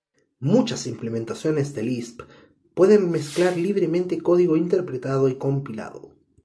Muchas implementaciones de Lisp pueden mezclar libremente código interpretado y compilado.